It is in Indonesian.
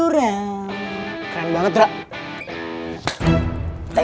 temu temu tak diundai